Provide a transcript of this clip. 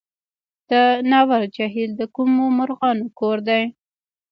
د ناور جهیل د کومو مرغانو کور دی؟